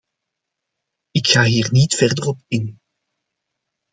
Ik ga hier niet verder op in.